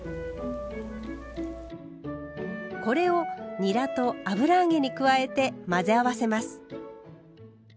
これをにらと油揚げに加えて混ぜ合わせます。